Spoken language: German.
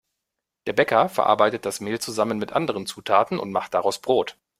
Der Bäcker verarbeitet das Mehl zusammen mit anderen Zutaten und macht daraus Brot.